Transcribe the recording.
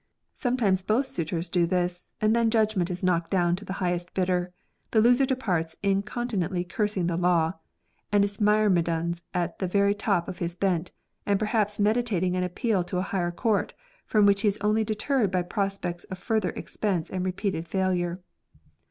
Sometimes both suitors do this, and then judgment is knocked down to the highest bidder. The loser dej)arts incontinently cursing the law and its myrmidons to the very top of his bent, and perhaps meditating an appeal to a higher court, from which he is only deterred by prospects of further expense and repeated failure.